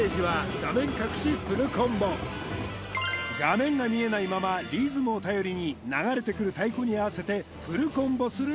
画面が見えないままリズムを頼りに流れてくる太鼓に合わせてフルコンボする